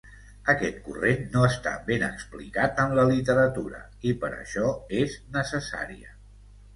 Aquest corrent no està ben explicat en la literatura, i per això és necessària.